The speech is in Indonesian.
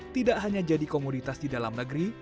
tidak hanya jadi komoditas di dalam negeri